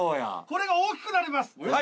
これが大きくなります。